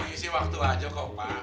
ini sih waktu aja kok pak